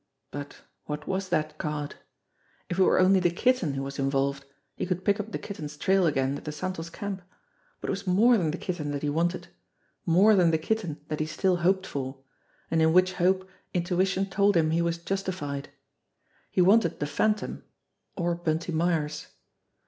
But what was that card? If it were only the Kitten who was involved, he could pick up the Kitten's trail again at the Santos camp ; but it was more than the Kitten that he wanted, more than the Kitten that he still hoped for, and in which hope intuition told him he was justified. He wanted the Phantom or Bunty Myers.